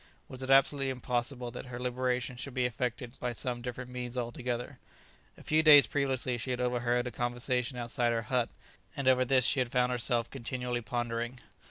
Was it absolutely impossible that her liberation should be effected by some different means altogether? A few days previously she had overheard a conversation outside her hut, and over this she had found herself continually pondering.